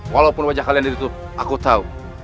walaupun wajah kalian diri itu aku tahu